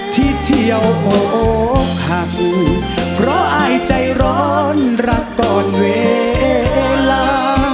ที่เที่ยวโหกหักเพราะอายใจร้อนรักก่อนเวลา